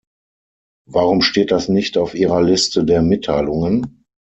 Warum steht das nicht auf Ihrer Liste der Mitteilungen?